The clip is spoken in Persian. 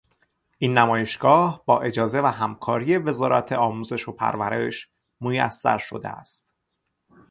این نمایشگاه با اجازه و همکاری وزارت آموزش و پرورش میسر شده است.